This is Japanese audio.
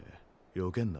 よけんな。